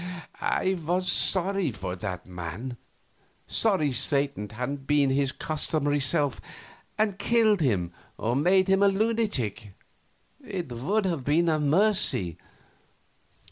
I was sorry for that man; sorry Satan hadn't been his customary self and killed him or made him a lunatic. It would have been a mercy.